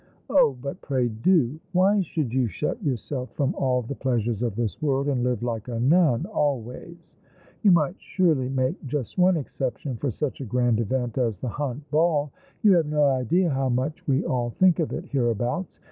" Oh, but pray do ! Why should you shut yourself from all the pleasures of this world, and live like a nun, always ? l''ou might surely make just one exception for such a grand event as the Hunt Ball. You have no idea how much we all think of it hereabouts.